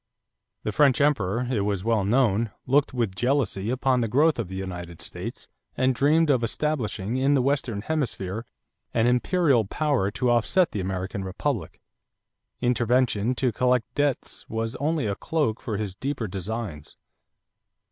The French Emperor, it was well known, looked with jealousy upon the growth of the United States and dreamed of establishing in the Western hemisphere an imperial power to offset the American republic. Intervention to collect debts was only a cloak for his deeper designs.